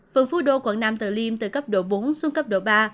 phường phú đô quận nam từ liêm từ cấp độ bốn xuống cấp độ ba